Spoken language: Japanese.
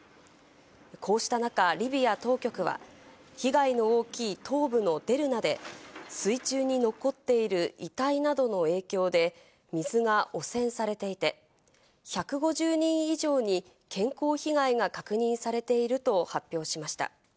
こうした中、リビア当局は被害の大きい東部のデルナで水中に残っている遺体などの影響で水が汚染されていて、１５０人以上に健康被害が確認されていると発表しました。